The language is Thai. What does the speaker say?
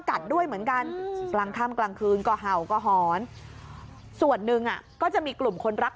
กัดด้วยเหมือนกันกลางค่ำกลางคืนก็เห่าก็หอนส่วนหนึ่งก็จะมีกลุ่มคนรัก